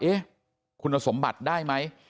เอ๊ะคุณสมบัติได้ไหม